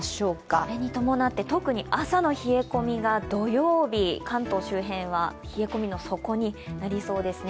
それに伴って特に朝の冷え込みが土曜日、関東周辺は冷え込みの底になりそうですね。